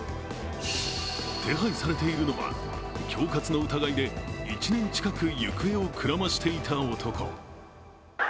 手配されているのは、恐喝の疑いで１年近く、行方をくらましていた男。